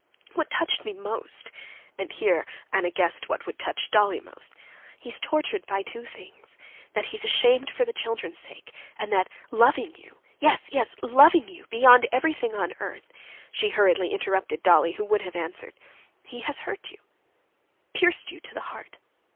What touched me most...." (and here Anna guessed what would touch Dolly most) "he's tortured by two things: that he's ashamed for the children's sake, and that, loving you—yes, yes, loving you beyond everything on earth," she hurriedly interrupted Dolly, who would have answered—"he has hurt you, pierced you to the heart.